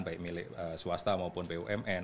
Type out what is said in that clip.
baik milik swasta maupun bumn